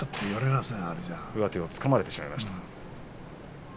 上手をつかまれてしまいました。